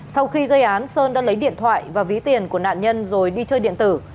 sau khi gây án sơn đã lấy điện thoại và ví tiền của nạn nhân rồi đi chơi điện tử